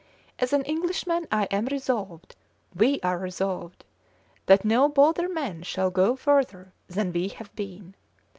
As an Englishman I am resolved, we are resolved, that no bolder men shall go further than we have been.